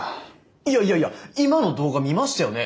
いやいやいや今の動画見ましたよね？